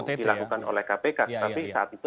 dilakukan oleh kpk tapi saat itu